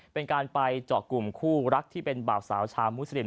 เป็นการไปเจาะกลุ่มคู่รักที่เป็นบ่าวสาวชาวมุสลิม